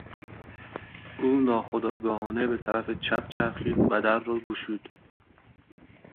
او ناخودآگاهانه به طرف چپ چرخید و در را گشود.